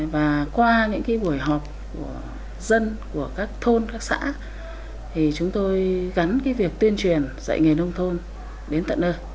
và qua những buổi họp của dân của các thôn các xã thì chúng tôi gắn cái việc tuyên truyền dạy nghề nông thôn đến tận nơi